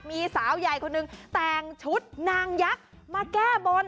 มีสาวใหญ่คนหนึ่งแต่งชุดนางยักษ์มาแก้บน